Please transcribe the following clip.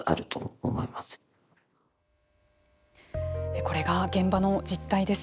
これが現場の実態です。